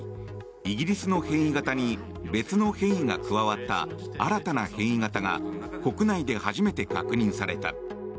イギリスの変異型に別の変異が加わった新たな変異型が国内で初めて確認された。